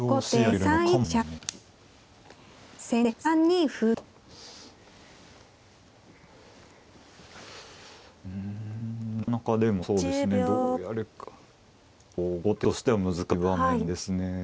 うんなかなかでもそうですねどうやるかこう後手としては難しい場面ですね。